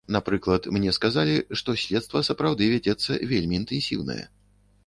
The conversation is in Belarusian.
Напрыклад, мне сказалі, што следства, сапраўды, вядзецца вельмі інтэнсіўнае.